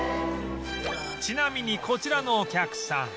ちなみにこちらのお客さん